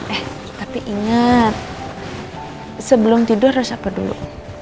eh tapi ingat sebelum tidur harus apa dulu